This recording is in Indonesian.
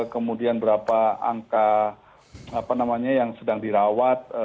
kemudian berapa angka yang sedang dirawat